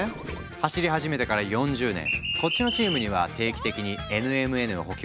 走り始めてから４０年こっちのチームには定期的にＮＭＮを補給していくよ。